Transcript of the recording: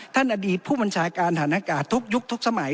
ท่านอดีตผู้บัญชาการธนกาศทุกยุคทุกสมัย